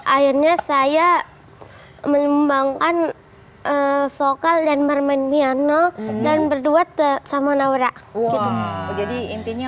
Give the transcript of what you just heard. akhirnya saya menyeimbangkan vokal dan bermain piano dan berdua teh sama naura jadi intinya